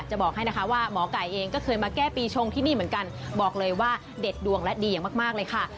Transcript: จะบอกให้นะคะว่าหมอไก่เองก็เคยมาแก้ปีชงที่นี่เหมือนกันบอกเลยว่าเด็ดดวงและดีอย่างมากเลยค่ะ